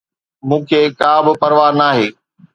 مون کي ڪابه پرواهه ناهي